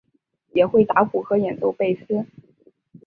也会打鼓和演奏贝斯。